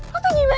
lo tuh gimana sih